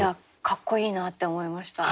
かっこいいなって思いました。